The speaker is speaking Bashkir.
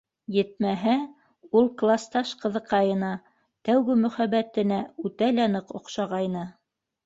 Етмәһә, ул класташ ҡыҙыҡайына, тәүге мөхәббәтенә, үтә лә ныҡ оҡшағайны.